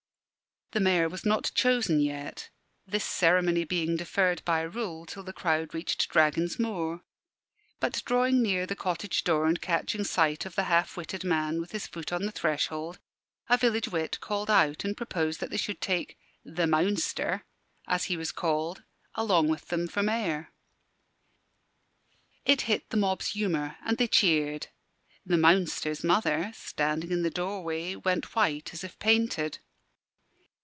The Mayor was not chosen yet, this ceremony being deferred by rule till the crowd reached Dragon's Moor. But drawing near the cottage door and catching sight of the half witted man with his foot on the threshold, a village wit called out and proposed that they should take "the Mounster" (as he was called) along with them for Mayor. It hit the mob's humour, and they cheered. The Mounster's mother, standing in the doorway, went white as if painted.